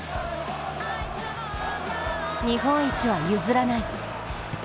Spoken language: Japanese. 日本一は譲らない。